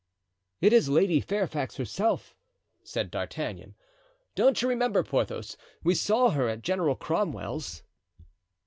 "It is Lady Fairfax herself," said D'Artagnan. "Don't you remember, Porthos, we saw her at General Cromwell's?"